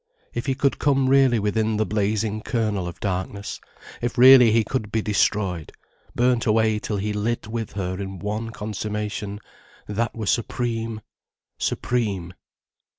If he could come really within the blazing kernel of darkness, if really he could be destroyed, burnt away till he lit with her in one consummation, that were supreme, supreme.